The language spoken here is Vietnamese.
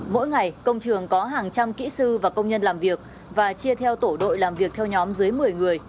mỗi ngày công trường có hàng trăm kỹ sư và công nhân làm việc và chia theo tổ đội làm việc theo nhóm dưới một mươi người